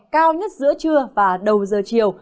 cao nhất giữa trưa và đầu giờ chiều